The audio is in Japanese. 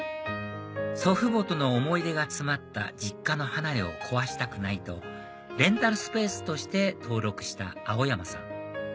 祖父母との思い出が詰まった実家の離れを壊したくないとレンタルスペースとして登録した青山さん